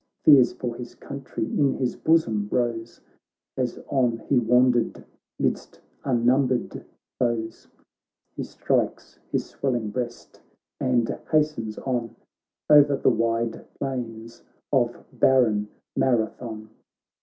Fears for his country in his bosom rose As on he wandered midst unnumbered foes ; He strikeshis swelling breastand hastens on O'er the wide plains of barren Marathon.